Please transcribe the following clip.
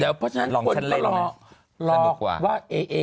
เดี๋ยวเพราะฉันคนก็ลอกว่า